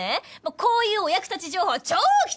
こういうお役立ち情報は超貴重！